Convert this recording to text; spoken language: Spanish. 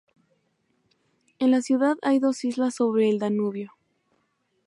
En la ciudad hay dos islas sobre el Danubio.